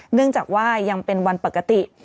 เนื่องจากว่ายังเป็นวันปกติ